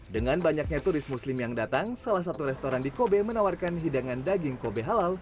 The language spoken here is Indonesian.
dengan banyaknya turis muslim yang datang salah satu restoran di kobe menawarkan hidangan daging kobe halal